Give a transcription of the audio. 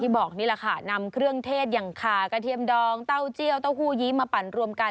บอกนี่แหละค่ะนำเครื่องเทศอย่างขากระเทียมดองเต้าเจี้ยวเต้าหู้ยี้มาปั่นรวมกัน